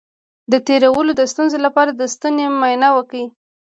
د تیرولو د ستونزې لپاره د ستوني معاینه وکړئ